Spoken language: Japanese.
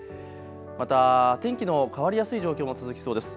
また天気の変わりやすい状況も続きそうです。